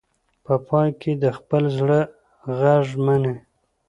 په پای کې د خپل زړه غږ مني.